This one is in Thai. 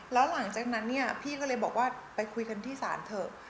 แล้วหลังจากนั้นเนี่ยพี่ก็เลยบอกว่าไปคุยกันที่ศาลเถอะ